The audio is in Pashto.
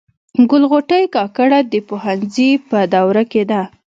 ګل غوټۍ کاکړه د پوهنځي په دوره کي ده.